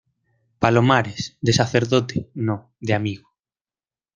palomares, de sacerdote, no, de amigo.